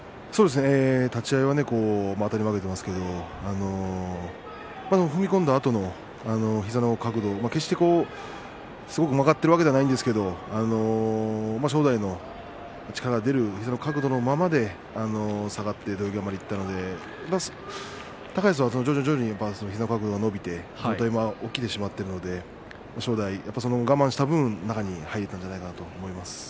立ち合いはあたり負けていますけれども踏み込んだあとの膝の角度、決してすごく曲がっているわけではないんですけれども正代の力が出る角度のままで下がって土俵際までいったので高安は徐々に膝の角度が伸びて起きてしまっているので正代は我慢した分、中に入れたんじゃないかなと思います。